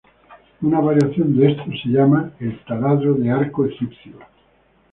Una variación de esto se llama el "Taladro de Arco Egipcio".